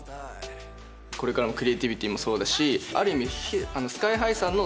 これからもクリエイティビティーもそうだし。